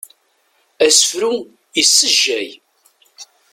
Asefru issejjay.